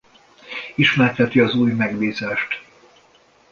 Ismerteti az új megbízást.